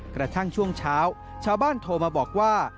กระทั่งช่วงเช้าชาวบ้านโทรมาบอกว่า